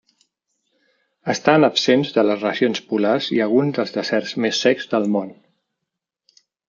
Estan absents de les regions polars i alguns dels deserts més secs del món.